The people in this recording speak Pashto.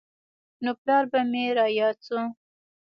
نو پلار به مې راياد سو.